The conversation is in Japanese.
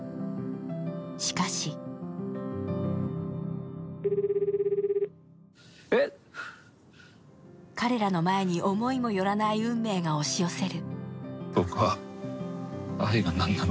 しかし彼らの前に思いも寄らぬ運命が押し寄せる。